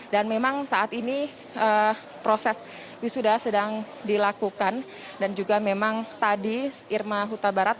dan memang saat ini proses wisuda sedang dilakukan dan juga memang tadi irma kota barat